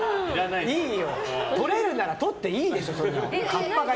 とれるならとっていいでしょ。